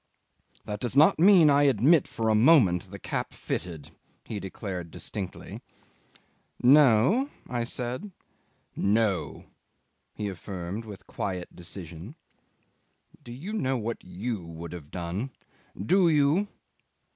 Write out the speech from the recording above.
"That does not mean I admit for a moment the cap fitted," he declared distinctly. "No?" I said. "No," he affirmed with quiet decision. "Do you know what you would have done? Do you?